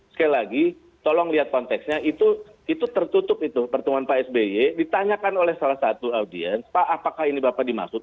sekali lagi tolong lihat konteksnya itu tertutup itu pertemuan pak sby ditanyakan oleh salah satu audiens pak apakah ini bapak dimaksud